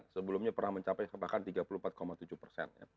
sebelumnya pernah mencapai bahkan tiga puluh empat tujuh persen